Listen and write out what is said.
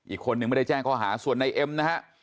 อีกคนนึงไม่ได้แจ้งข้อหาส่วนในเอ็มนะฮะ